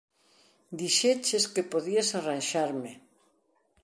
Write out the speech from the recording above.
Dixeches que podías arranxarme!